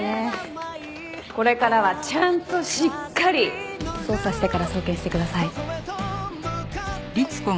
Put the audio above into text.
これからはちゃんとしっかり捜査してから送検してください。